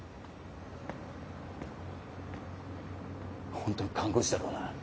ホントに看護師だろうな？